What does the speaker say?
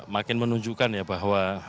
makin menunjukkan bahwa